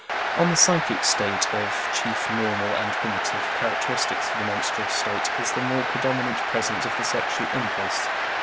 On the psychic side the chief normal and primitive characteristic of the menstrual state is the more predominant presence of the sexual impulse.